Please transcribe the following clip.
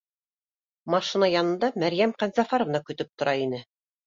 Машина янында Мәрйәм Ҡәнзәфәровна көтөп тора ине